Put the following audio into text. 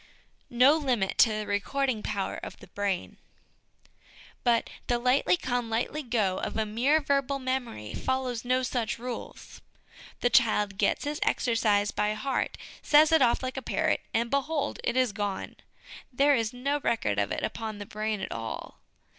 No Limit to the Recording Power of the Brain. But the 'lightly come, lightly go' of a mere verbal memory follows no such rules. The child gets his exercise ' by heart/ says it off like a parrot, and behold, it is gone ; there is no record of it upon the brain at all.